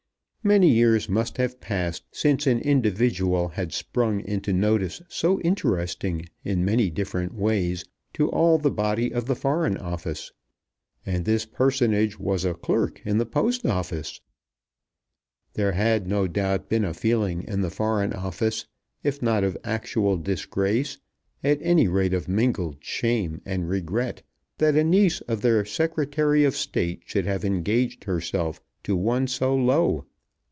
Many years must have passed since an individual had sprung into notice so interesting in many different ways to all the body of the Foreign Office! And this personage was a clerk in the Post Office! There had no doubt been a feeling in the Foreign Office, if not of actual disgrace, at any rate of mingled shame and regret, that a niece of their Secretary of State should have engaged herself to one so low.